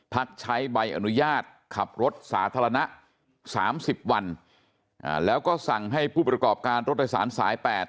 พักใช้ใบอนุญาตขับรถสาธารณะ๓๐วันแล้วก็สั่งให้ผู้ประกอบการรถโดยสารสายแปด